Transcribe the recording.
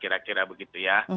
kira kira begitu ya